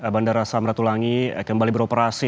bandara samratulangi kembali beroperasi